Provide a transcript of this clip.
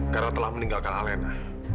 karena telah meninggalkan alena